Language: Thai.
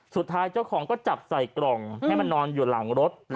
เจ้าของก็จับใส่กล่องให้มันนอนอยู่หลังรถ